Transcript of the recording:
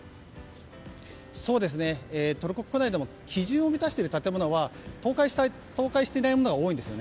トルコ国内でも基準を満たしている建物は倒壊していないものが多いんです。